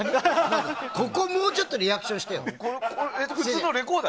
ここもうちょっとリアクションしてよ！